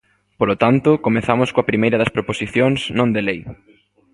Polo tanto, comezamos coa primeira das proposicións non de lei.